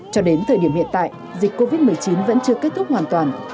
cho đến thời điểm hiện tại dịch covid một mươi chín vẫn chưa kết thúc hoàn toàn